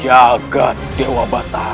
jaga dewa batara